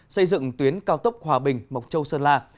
xây dựng tuyến cao tốc hòa bình mộc châu sơn la